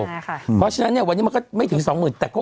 เพราะฉะนั้นเนี่ยวันนี้มันก็ไม่ถึง๒๐๐๐๐แต่โคกดูยังไง